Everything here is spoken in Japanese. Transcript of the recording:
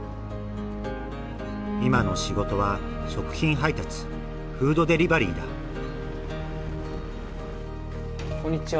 今の仕事は食品配達フードデリバリーだこんにちは。